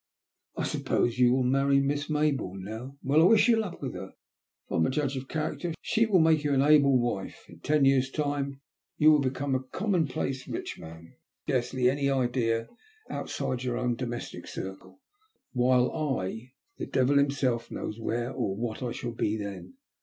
I suppose you will marry Miss May bourne now. Well, I wish you luck with her. If I am a judge of character, she will make you an able \Nife. In ten years time you will be a commonplace rich man, with scarcely any idea outside your own domestic circle, while I — well the devil himself knows where or what I shall be then.